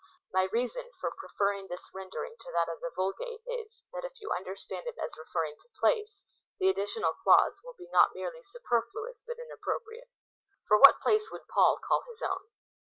My reason for preferring this rendering to that of the Vulgate is, that if you understand it as referring to place, the additional clause will be not merely superfluous, but inappropriate. For what place would Paul call his own